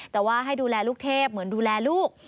แต่ว่าให้ดูแลลูกเทพเหมือนดูแลลูก